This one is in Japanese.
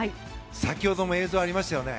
先ほども映像がありましたよね。